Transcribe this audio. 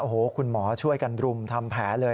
โอ้โหคุณหมอช่วยกันรุมทำแผลเลย